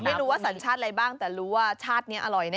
ไม่รู้ว่าสัญชาติอะไรบ้างแต่รู้ว่าชาตินี้อร่อยแน่